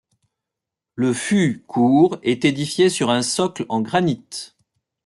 Le fût court est édifié sur un socle en granit.